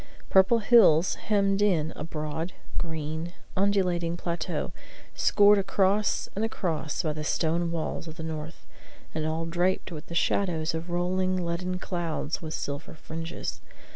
Purple hills hemmed in a broad, green, undulating plateau, scored across and across by the stone walls of the north, and all dappled with the shadows of rolling leaden clouds with silver fringes.